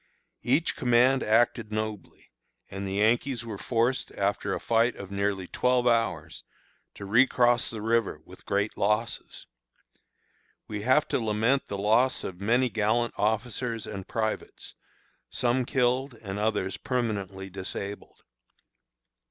Each command acted nobly, and the Yankees were forced, after a fight of nearly twelve hours, to recross the river with great losses. We have to lament the loss of many gallant officers and privates, some killed and others permanently disabled.